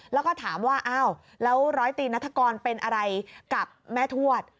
แล้วก็ถามว่าอ้าวแล้วร้อยตีนัฐกรเป็นอะไรกับแม่ทวด